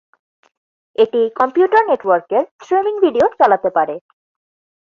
এটি কম্পিউটার নেটওয়ার্কের streaming video চালাতে পারে।